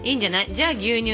じゃあ牛乳です。